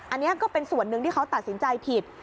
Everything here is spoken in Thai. อันนี้ก็เป็นส่วนหนึ่งที่เขาตัดสินใจผิด